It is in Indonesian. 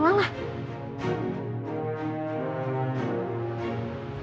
tidak ada masalah